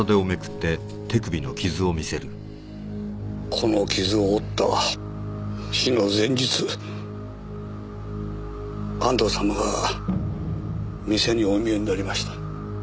この傷を負った日の前日安藤様が店にお見えになりました。